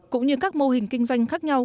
cũng như các mô hình kinh doanh khác nhau